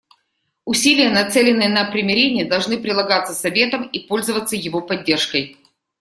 Усилия, нацеленные на примирение, должны прилагаться Советом и пользоваться его поддержкой.